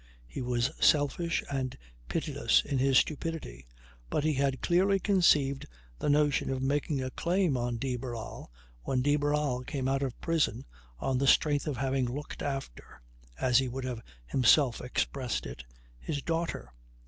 He was selfish and pitiless in his stupidity, but he had clearly conceived the notion of making a claim on de Barral when de Barral came out of prison on the strength of having "looked after" (as he would have himself expressed it) his daughter.